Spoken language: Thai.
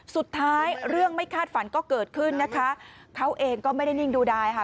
เรื่องไม่คาดฝันก็เกิดขึ้นนะคะเขาเองก็ไม่ได้นิ่งดูดายค่ะ